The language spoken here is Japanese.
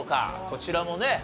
こちらもね